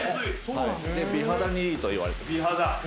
で美肌にいいといわれてます。